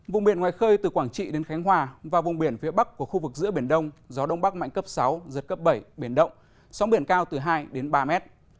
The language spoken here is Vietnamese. vùng biển ngoài khơi từ quảng trị đến khánh hòa và vùng biển phía bắc của khu vực giữa biển đông gió đông bắc mạnh cấp sáu giật cấp bảy biển động sóng biển cao từ hai đến ba mét